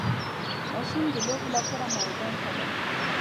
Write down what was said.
ماشوم د لوبو لپاره میدان ته لاړ.